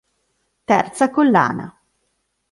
Terza collana